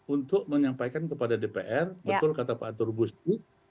untuk menyampaikan kepada dpr betul kata pak atur busku